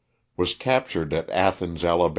Was captured at Athens, Ala.